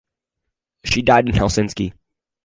She died in Helsinki.